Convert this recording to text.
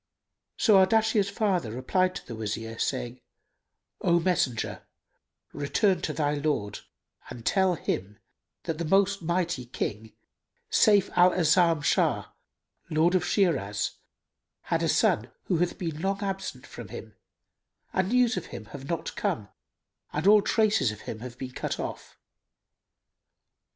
So Ardashir's father replied to the Wazir, saying, "O messenger, return to thy lord and tell him that the most mighty King Sayf al A'azam Shah, Lord of Shiraz, had a son who hath been long absent from him and news of him have not come and all traces of him have been cut off.